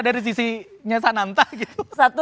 dari sisinya sananta gitu